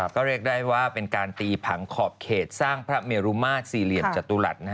ก็เรียกได้ว่าเป็นการตีผังขอบเขตสร้างพระเมรุมาตรสี่เหลี่ยมจตุรัส